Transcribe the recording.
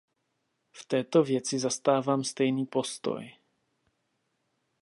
V této věci zastávám stejný postoj.